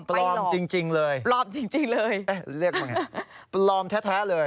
ปลอมจริงเลยเรียกมันไงปลอมแท้เลย